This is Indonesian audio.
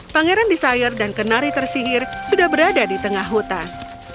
pangeran desire dan kenari tersihir sudah berada di tengah hutan